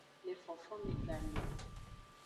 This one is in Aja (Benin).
Le fonfonme gane.